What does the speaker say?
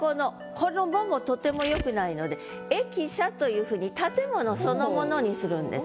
この「も」もとても良くないので「駅舎」というふうに建物そのものにするんです。